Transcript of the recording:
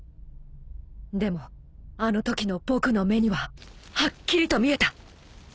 でもあのときの僕の目にははっきりと見えた。